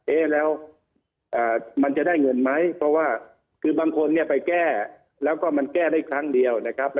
เอ๊ะแล้วมันจะได้เงินไหมเพราะว่าคือบางคนเนี่ยไปแก้แล้วก็มันแก้ได้ครั้งเดียวนะครับ